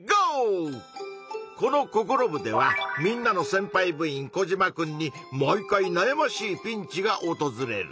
このココロ部ではみんなのせんぱい部員コジマくんに毎回なやましいピンチがおとずれる。